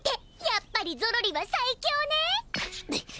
やっぱりゾロリはサイキョね。